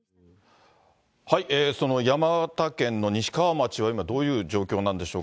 その山形県の西川町は今、どういう状況なんでしょうか。